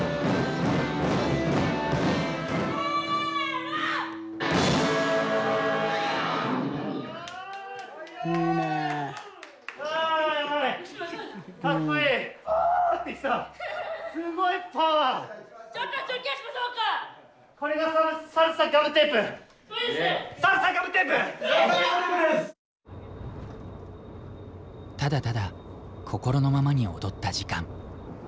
ただただ心のままに踊った時間。